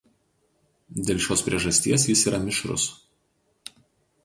Dėl šios priežasties jis yra mišrus.